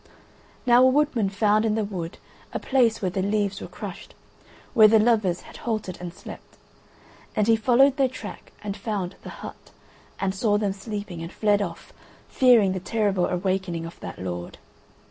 Now a woodman found in the wood a place where the leaves were crushed, where the lovers had halted and slept, and he followed their track and found the hut, and saw them sleeping and fled off, fearing the terrible awakening of that lord.